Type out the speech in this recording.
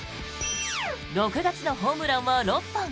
６月のホームランは６本。